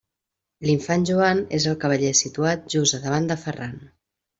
L'Infant Joan és el cavaller situat just a davant de Ferran.